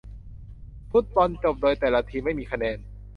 ฟุตบอลจบโดยแต่ละทีมไม่มีคะแนน